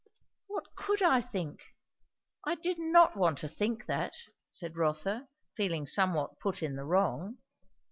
"What could I think? I did not want to think that," said Rotha, feeling somewhat put in the wrong.